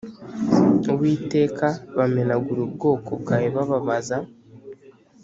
uwiteka bamenagura ubwoko bwawe bababaza